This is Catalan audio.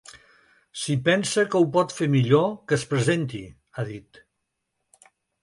Si pensa que ho pot fer millor, que es presenti, ha dit.